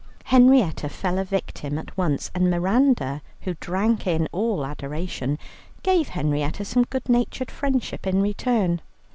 Henrietta fell a victim at once, and Miranda, who drank in all adoration, gave Henrietta some good natured friendship in return.